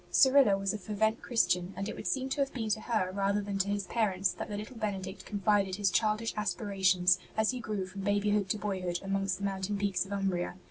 Cyrilla was a fervent Christian, and it would seem to have been to her rather than to his parents that the little Benedict confided his childish aspirations as he grew from babyhood to boyhood amongst the mountain peaks of Umbria.